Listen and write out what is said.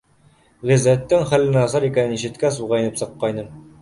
Ғиззәттең хәле насар икәнен ишеткәс, уға инеп сыҡҡайным.